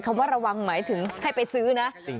คำว่าระวังหมายถึงให้ไปซื้อนะ